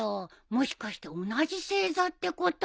もしかして同じ星座ってこと？